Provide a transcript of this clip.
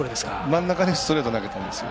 真ん中にストレート投げたんですよ。